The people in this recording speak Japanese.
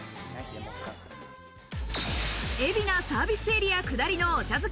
海老名サービスエリア下りのお茶漬け